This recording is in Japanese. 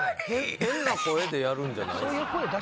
変な声でやるんじゃない。